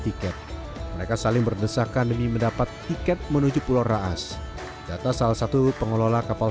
tiket mereka saling berdesakan demi mendapat tiket menuju pulau raas data salah satu pengelola kapal